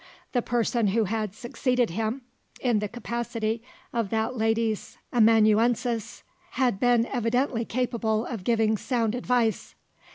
The person who had succeeded him, in the capacity of that lady's amanuensis, had been evidently capable of giving sound advice.